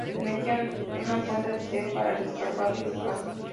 Se necesita una cuenta de Steam para descargarlo y jugar.